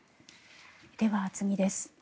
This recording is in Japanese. では、次です。